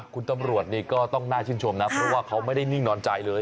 คุณตำรวจนี่ก็ต้องน่าชื่นชมนะเพราะว่าเขาไม่ได้นิ่งนอนใจเลย